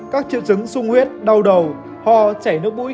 các triệu chứng sung huyết đau đầu ho chảy nước mũi